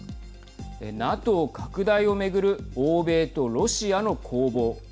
ＮＡＴＯ拡大をめぐる欧米とロシアの攻防。